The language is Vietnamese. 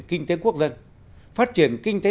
kinh tế quốc dân phát triển kinh tế